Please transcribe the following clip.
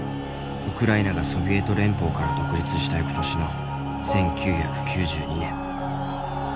ウクライナがソビエト連邦から独立した翌年の１９９２年。